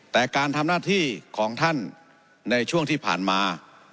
แต่การทำหน้าที่ของท่านในช่วงที่ผ่านมา